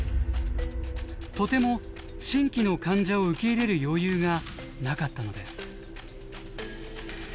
とても新規の患者を受け入れる余裕がなかったのです。